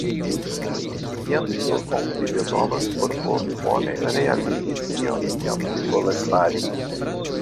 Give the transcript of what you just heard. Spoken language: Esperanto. Kian helpon vi bezonus por povi bone realigi tion kion vi volas fari?